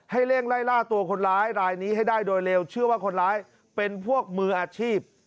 เร่งไล่ล่าตัวคนร้ายรายนี้ให้ได้โดยเร็วเชื่อว่าคนร้ายเป็นพวกมืออาชีพ